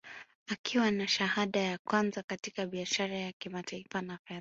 Akiwa na shahada ya kwanza katika biashara ya kimataifa na fedha